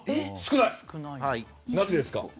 なぜですか？